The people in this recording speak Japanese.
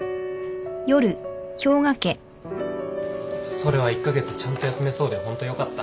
それは１カ月ちゃんと休めそうでホントよかった。